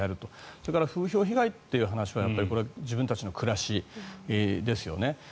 それから風評被害という話は自分たちの暮らしですよね。